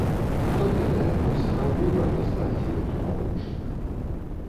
Хто ведае, мо і сапраўды варта скласці гэткі падручнік.